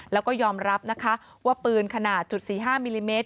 แล้วก็ยอมรับนะคะว่าปืนขนาดจุด๔๕มิลลิเมตร